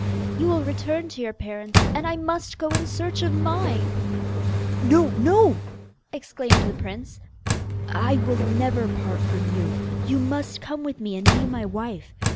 You will return to your parents, and I must go in search of mine.' 'No! no!' exclaimed the prince. 'I will never part from you. You must come with me and be my wife.